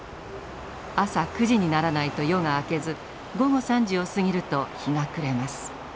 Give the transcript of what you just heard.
朝９時にならないと夜が明けず午後３時を過ぎると日が暮れます。